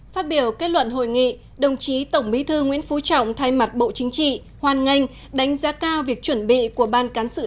phát biểu kết luận hội nghị đồng chí tổng bí thư nguyễn phú trọng thay mặt bộ chính trị hoan nghênh đánh giá cao việc chuẩn bị của ban cán sự đảng